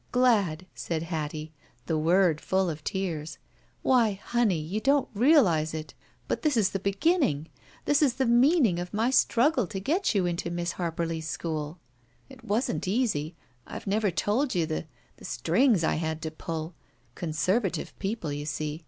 "Glad," said Hattie, the word full of tears. "Why, honey, you don't realize it, but this is the beginning! This is the meaning of my struggle to 152 THE SMUDGE get you into Miss Harperly's school. It wasn't easy. I've never told you the — strings I had to pull. Conservative people, you see.